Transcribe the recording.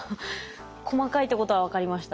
細かいってことは分かりました。